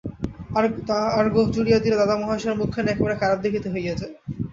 আর গোঁফ জুড়িয়া দিলে দাদা মহাশয়ের মুখখানি একেবারে খারাপ দেখিতে হইয়া যায়।